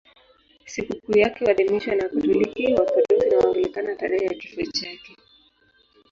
Sikukuu yake huadhimishwa na Wakatoliki, Waorthodoksi na Waanglikana tarehe ya kifo chake.